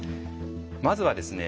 まずはですね